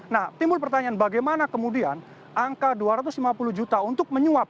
nah timbul pertanyaan bagaimana kemudian angka dua ratus lima puluh juta untuk menyuap